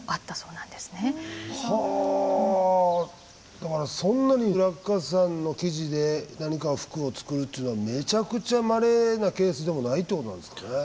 だからそんなに落下傘の生地で何かを服を作るっていうのはめちゃくちゃまれなケースでもないってことなんですかね。